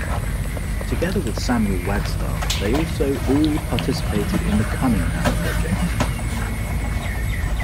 Together with Samuel Wagstaff they also all participated in the Cunningham project.